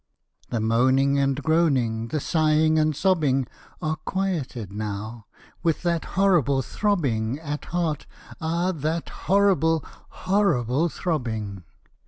The moaning and groaning, The sighing and sobbing, Are quieted now, With that horrible throbbing At heart: ah, that horrible, Horrible throbbing!